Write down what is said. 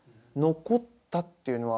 残ったっていうのは？